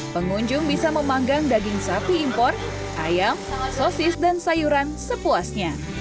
pengunjung bisa memanggang daging sapi impor ayam sosis dan sayuran sepuasnya